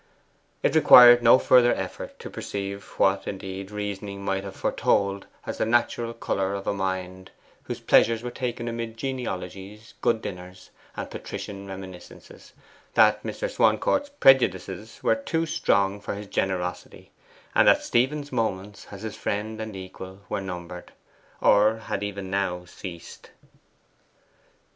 It required no further effort to perceive what, indeed, reasoning might have foretold as the natural colour of a mind whose pleasures were taken amid genealogies, good dinners, and patrician reminiscences, that Mr. Swancourt's prejudices were too strong for his generosity, and that Stephen's moments as his friend and equal were numbered, or had even now ceased.